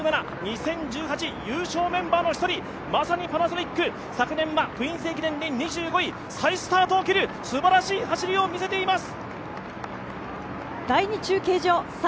かつて日本一を経験した２０１７、２０１８優勝メンバーの一人、まさにパナソニック、昨年はクイーンズ駅伝で２５位再スタートを切る、すばらしい走りを見せています。